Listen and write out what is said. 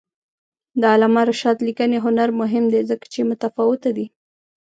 د علامه رشاد لیکنی هنر مهم دی ځکه چې متفاوته دی.